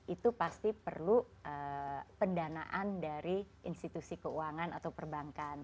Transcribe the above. itu pasti perlu pendanaan dari institusi keuangan atau perbankan